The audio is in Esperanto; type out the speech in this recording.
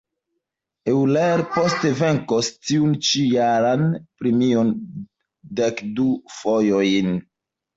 Euler poste venkos tiun ĉiujaran premion dekdu fojojn.